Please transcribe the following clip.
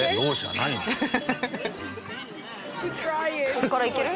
そこからいける？